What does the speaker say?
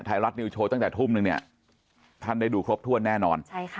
ไทยรัฐนิวโชว์ตั้งแต่ทุ่มนึงเนี่ยท่านได้ดูครบถ้วนแน่นอน